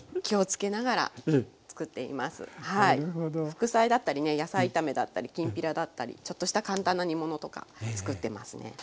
副菜だったりね野菜炒めだったりきんぴらだったりちょっとした簡単な煮物とか作ってますね。